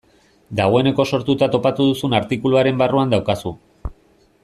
Dagoeneko sortuta topatu duzun artikuluaren barruan daukazu.